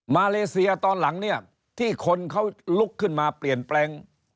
มาเลเซียตอนหลังเนี่ยที่คนเขาลุกขึ้นมาเปลี่ยนแปลง